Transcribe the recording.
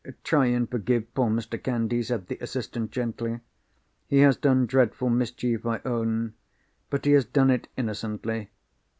"Try and forgive poor Mr. Candy," said the assistant gently. "He has done dreadful mischief, I own; but he has done it innocently.